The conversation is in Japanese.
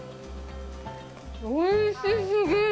おいし過ぎる。